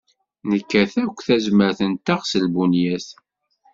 Nekkat akk tazmert-nteɣ s lbunyat.